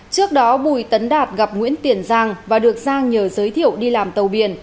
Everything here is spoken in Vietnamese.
trước đó bùi tấn đạt gặp nguyễn tiền giang và được giang nhờ giới thiệu đi làm tàu biển